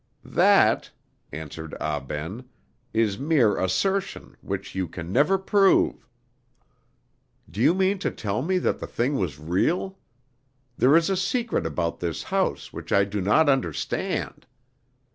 "That," answered Ah Ben, "is mere assertion, which you can never prove." "Do you mean to tell me that the thing was real? There is a secret about this house which I do not understand!"